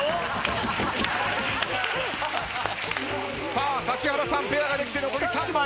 さあ指原さんペアができて残り３枚。